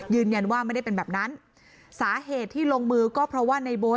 ยืนยันว่าไม่ได้เป็นแบบนั้นสาเหตุที่ลงมือก็เพราะว่าในโบ๊ท